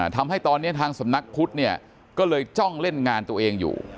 ทำให้ตอนนี้ทางสำนักพุทธเนี่ยก็เลยจ้องเล่นงานตัวเองอยู่